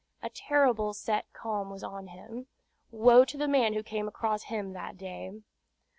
A terrible set calm was on him. Woe to the man who came across him that day!